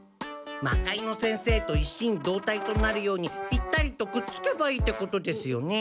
魔界之先生と一心同体となるようにピッタリとくっつけばいいっていうことですよね。